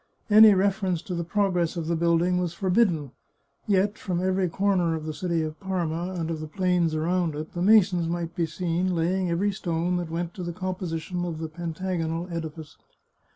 Any reference to the progress of the building was forbidden; yet, from every corner of the city of Parma, and of the plains around it, the masons might be seen laying every stone that went to the composition of the pentagonal edifice.